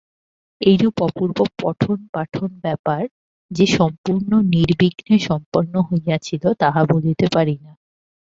এইরূপ অপূর্ব পঠন-পাঠন-ব্যাপার যে সম্পূর্ণ নির্বিঘ্নে সম্পন্ন হইয়াছিল তাহা বলিতে পারি না।